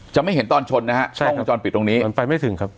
จะไม่เห็นตอนชนนะฮะกล้องวงจรปิดตรงนี้มันไปไม่ถึงครับ